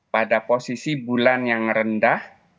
pada posisi bulan yang rendah